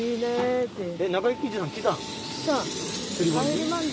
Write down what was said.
釣り堀に？